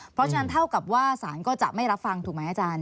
เพราะฉะนั้นเท่ากับว่าศาลก็จะไม่รับฟังถูกไหมอาจารย์